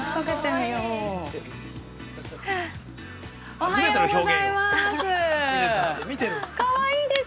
おはようございます。